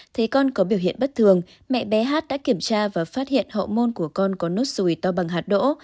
thấy con có biểu hiện bất thường mẹ bé hát đã kiểm tra và phát hiện hậu môn của con có nốt rùi to bằng hạt đỗ